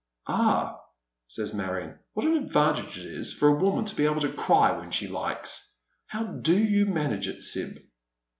" Ah," says Marion, " what an advantage it is for a woman to be able to cry when she likes ! How do you manage it. Sib